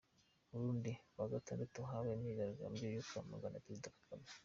-Burundi : Kuwa gatandatu habaye imyigaragabyo yo kwamagana President Kagame